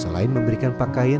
selain memberikan pakaian